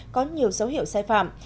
có nhiều dấu hiệu sai phạm